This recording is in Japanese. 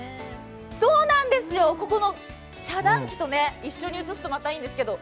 そうなんですよ、ここの遮断機と一緒に写すとまたいいんですけど。